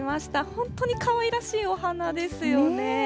本当にかわいらしいお花ですよね。